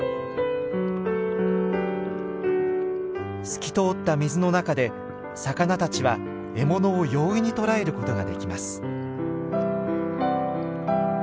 透き通った水の中で魚たちは獲物を容易に捕らえることができます。